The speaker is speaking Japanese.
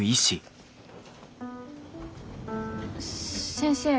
先生